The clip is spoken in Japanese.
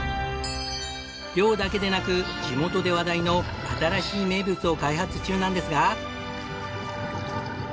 漁だけでなく地元で話題の新しい名物を開発中なんですが。